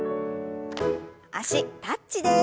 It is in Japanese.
脚タッチです。